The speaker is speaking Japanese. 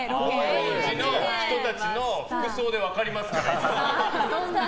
高円寺の人たちの服装で分かりますから。